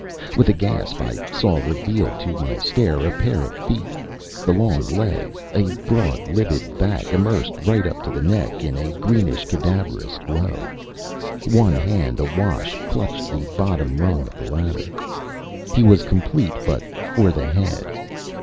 With a gasp I saw revealed to my stare a pair of feet, the long legs, a broad livid back immersed right up to the neck in a greenish cadaverous glow. One hand, awash, clutched the bottom rung of the ladder. He was complete but for the head.